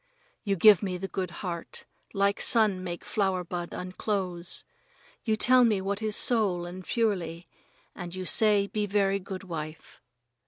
You give me the good heart, like sun make flower bud unclose. You telled me what is soul and purely, and you say be very good wife.